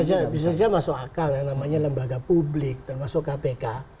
ya bisa saja masuk akal yang namanya lembaga publik termasuk kpk